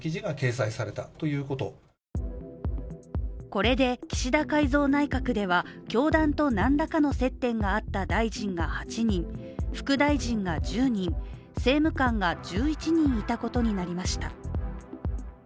これで岸田改造内閣では教団と何らかの接点があった大臣が８人、副大臣が１０人、政務官が１１人いたことになりました。